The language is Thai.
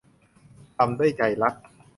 ทำด้วยใจรัก